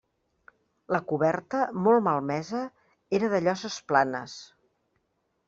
La coberta, molt malmesa, era de lloses planes.